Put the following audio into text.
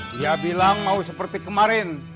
dia bilang mau seperti kemarin